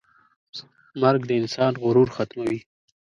مرګ د انسان غرور ختموي.